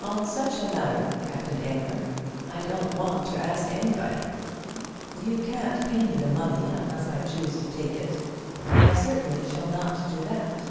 "On such a matter, Captain Aylmer, I don't want to ask anybody. You can't pay me the money unless I choose to take it, and I certainly shall not do that."